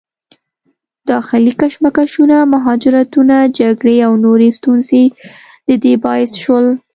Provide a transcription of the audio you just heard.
داخلي کشمکشونه، مهاجرتونه، جګړې او نورې ستونزې د دې باعث شول